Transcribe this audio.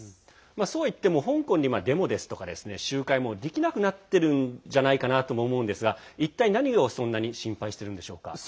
そうはいっても香港でデモや集会ができなくなっているんじゃないかと思うんですが一体何をそんなに心配してるんでしょうか。